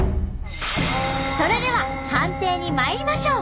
それでは判定にまいりましょう！